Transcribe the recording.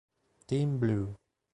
Tim Blue